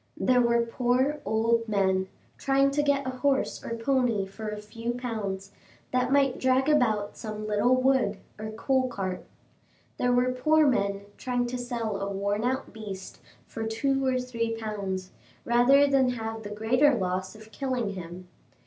There were poor old men, trying to get a horse or pony for a few pounds, that might drag about some little wood or coal cart. There were poor men trying to sell a worn out beast for two or three pounds, rather than have the greater loss of killing him.